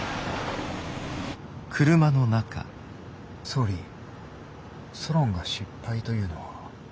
総理ソロンが失敗というのは。